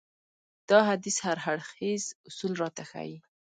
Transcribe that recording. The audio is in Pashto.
دا حديث هر اړخيز اصول راته ښيي.